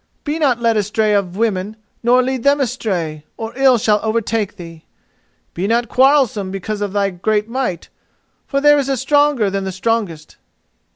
Be not led astray of women, nor lead them astray, or ill shall overtake thee. Be not quarrelsome because of thy great might, for there is a stronger than the strongest.